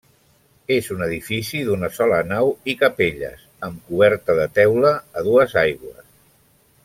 És un edifici d'una sola nau, i capelles, amb coberta de teula a dues aigües.